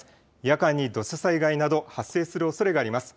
夜間に土砂災害など発生するおそれがあります。